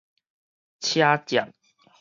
車隻